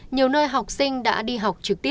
nhiều nơi học sinh đã đi học